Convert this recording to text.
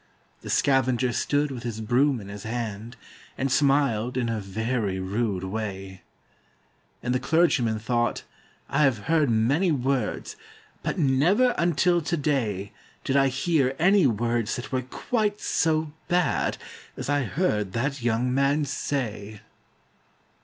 The scavenger stood with his broom in his hand, And smiled in a very rude way; And the clergyman thought, 'I have heard many words, But never, until to day, Did I hear any words that were quite so bad As I heard that young man say.'